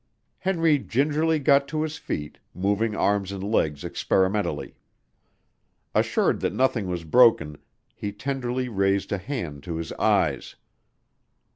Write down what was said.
Henry gingerly got to his feet, moving arms and legs experimentally. Assured that nothing was broken, he tenderly raised a hand to his eyes.